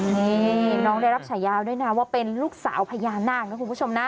นี่น้องได้รับฉายาด้วยนะว่าเป็นลูกสาวพญานาคนะคุณผู้ชมนะ